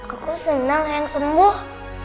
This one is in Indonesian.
aku senang eyang sembuh